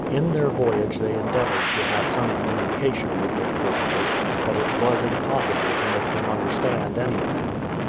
In their voyage they endeavoured to have some communication with their prisoners; but it was impossible to make them understand anything.